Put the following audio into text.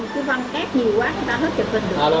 chạy vô bóng đậu cái văn cát nhiều quá người ta hết chụp hình được